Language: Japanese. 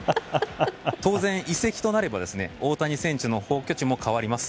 当然、移籍となれば大谷選手の本拠地も変わります。